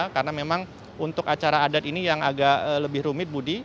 karena memang untuk acara adat ini yang agak lebih rumit budi